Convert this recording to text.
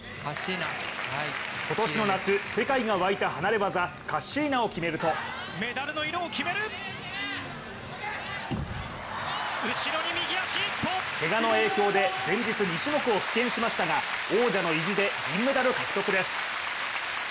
今年の夏、世界が沸いた離れ業、カッシーナを決めるとけがの影響で前日２種目を棄権しましたが王者の意地で銀メダル獲得です。